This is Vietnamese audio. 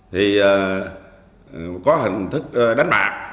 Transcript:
thì có hình thức đánh bạc